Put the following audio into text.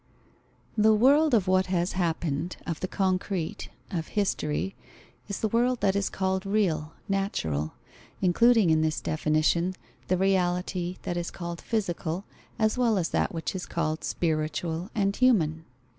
_ The world of what has happened, of the concrete, of history, is the world that is called real, natural, including in this definition the reality that is called physical, as well as that which is called spiritual and human.